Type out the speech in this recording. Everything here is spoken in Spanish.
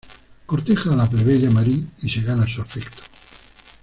Corteja a la plebeya Marie y se gana su afecto.